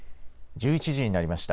１１時になりました。